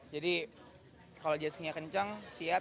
jadi kalau jetskinya kenceng siap